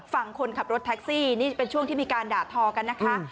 ฝั่งคนขับรถแท็กซี่นี่เป็นช่วงที่มีการด่าทอกันนะคะ